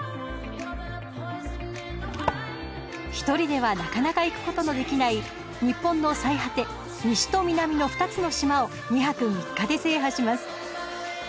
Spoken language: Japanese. １人ではなかなか行くことのできない日本の最果て西と南の２つの島を２泊３日で制覇します。